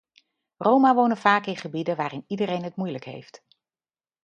Roma wonen vaak in gebieden waarin iedereen het moeilijk heeft.